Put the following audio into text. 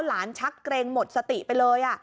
ชักเกรงหมดสติไปเลย